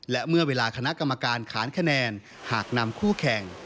และเมื่อเวลาคณะกรรมการขานคะแนนหากนำคู่แข่ง